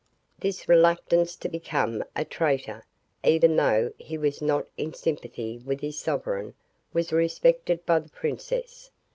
This reluctance to become a traitor, even though he was not in sympathy with his sovereign, was respected by the princess.